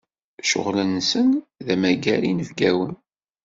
Ccɣel-nsen d amagar inebgawen.